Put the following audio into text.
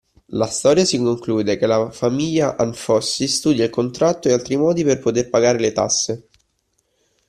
La storia si conclude che la famiglia Anfossi studia il contratto e altri modi per poter pagare le tasse